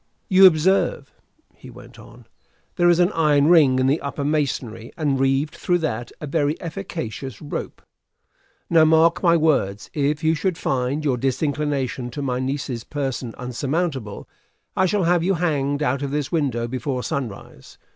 "You observe," he went on, "there is an iron ring in the upper masonry, and, reeved through that, a very efficacious rope. Now, mark my words: if you should find your disinclination to my niece's person insurmountable, I shall have you hanged out of this window before sunrise.